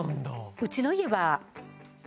うちの家は。